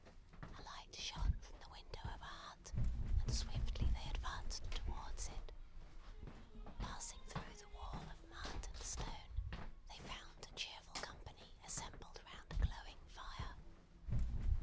A light shone from the window of a hut, and swiftly they advanced towards it. Passing through the wall of mud and stone, they found a cheerful company assembled round a glowing fire.